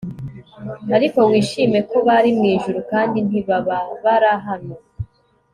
ariko wishime ko bari mwijuru kandi ntibababara hano